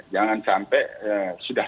jangan sampai sudah